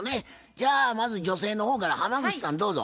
じゃあまず女性の方から浜口さんどうぞ。